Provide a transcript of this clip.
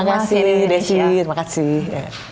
terima kasih desi terima kasih